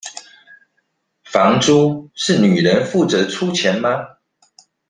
房租是女人負責出錢嗎？